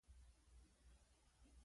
د نورو مشورې ته غوږ نیول مهم دي.